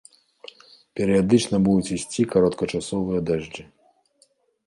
Перыядычна будуць ісці кароткачасовыя дажджы.